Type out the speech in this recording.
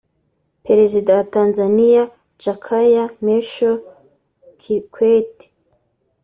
Perezida wa Tanzania Jakaya Mrisho Kikwete